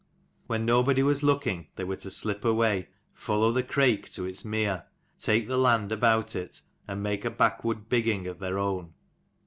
When nobody was looking they were to slip away: follow the Crake to its mere, take the land about it, and make a backwood bigging of their own.